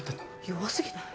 弱過ぎない？